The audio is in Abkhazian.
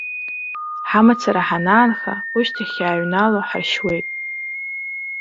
Ҳамацара ҳанаанха, ушьҭахь иааҩнало ҳаршьуеит!